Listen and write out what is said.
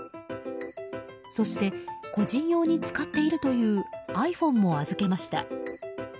そして個人用に使っているというｉＰｈｏｎｅも預けました。